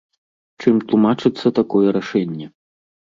Чым тлумачыцца такое рашэнне?